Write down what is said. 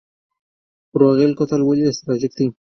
بروغیل کوتل ولې استراتیژیک دی؟